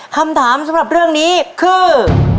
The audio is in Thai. คำถามสำหรับเรื่องนี้คือ